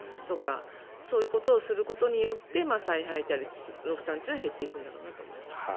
そういうことをすることによって再配達の負担というのは減っていくんだろうと思います。